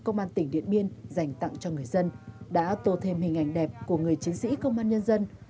công an tỉnh điện biên dành tặng cho người dân đã tô thêm hình ảnh đẹp của người chiến sĩ công an nhân dân